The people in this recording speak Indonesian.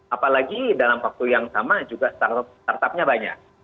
apalagi dalam waktu yang sama juga startup startupnya banyak